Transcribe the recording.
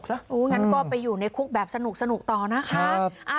งั้นก็ไปอยู่ในคุกแบบสนุกต่อนะคะ